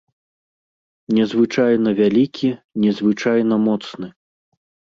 Незвычайна вялікі, незвычайна моцны.